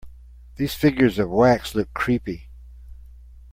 These figures of wax look creepy.